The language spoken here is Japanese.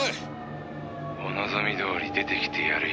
「お望み通り出てきてやるよ。